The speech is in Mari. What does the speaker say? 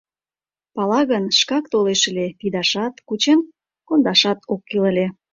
Пала гын, шкак толеш ыле, пидашат, кучен кондашат ок кӱл ыле.